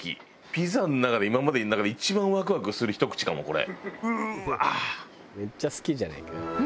ピザの中で今までの中で一番ワクワクするひと口かもこれ。